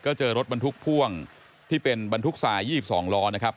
ก็เจอรถบรรทุกพ่วงที่เป็นบรรทุกทราย๒๒ล้อนะครับ